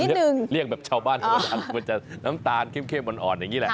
เรียกแบบชาวบ้านธรรมดามันจะน้ำตาลเข้มอ่อนอย่างนี้แหละ